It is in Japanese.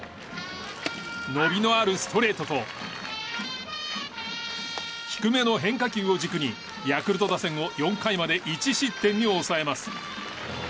伸びのあるストレートと低めの変化球を軸にヤクルト打線を４回まで１失点に抑えます。